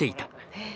へえ。